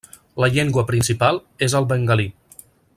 La llengua principal és el bengalí.